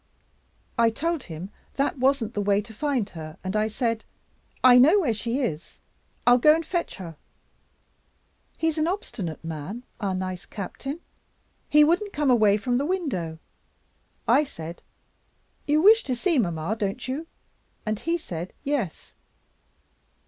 I told him that wasn't the way to find her, and I said, 'I know where she is; I'll go and fetch her.' He's an obstinate man, our nice Captain. He wouldn't come away from the window. I said, 'You wish to see mamma, don't you?' And he said 'Yes.